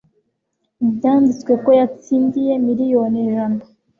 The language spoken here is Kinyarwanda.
Byanditswe ko yatsindiye Miriyoni ijana